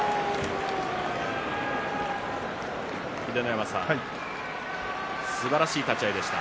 秀ノ山さん、すばらしい立ち合いでした。